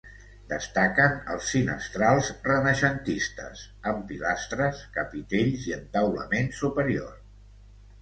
Destaquen els finestrals renaixentistes, amb pilastres, capitells i entaulament superior.